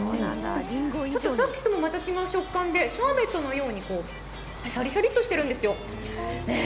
ちょっと、さっきともまた違った食感で、シャーベットのようにシャリシャリッとしてるんですよ。